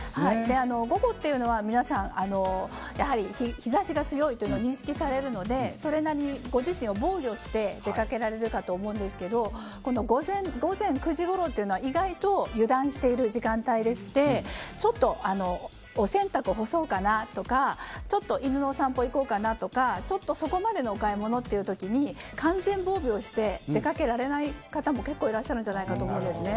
午後は皆さん日差しが強いというのを認識されるのでそれなりにご自身を防御して出かけられるかと思うんですけど午前９時ごろというのは意外と油断している時間帯でしてちょっとお洗濯を干そうかなとかちょっと犬のお散歩行こうかなとかちょっとそこまでのお買いものという時に完全防備をして出かけられない方も結構いらっしゃるんじゃないかと思うんですね。